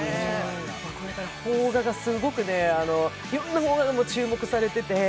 邦画がすごく、いろんな邦画が注目されてて。